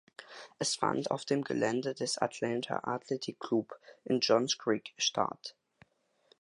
Es fand auf dem Gelände des Atlanta Athletic Club in Johns Creek statt.